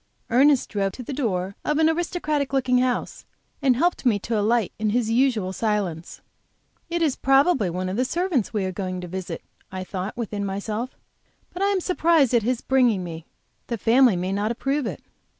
Ernest drove to the door of an aristocratic looking house, and helped me to alight in his usual silence. "It is probably one of the servants we are going to visit," I thought, within myself; "but I am surprised at his bringing me. The family may not approve it."